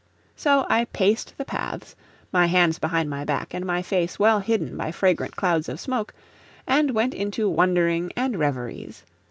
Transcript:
So I paced the paths, my hands behind my back, and my face well hidden by fragrant clouds of smoke, and went into wondering and reveries.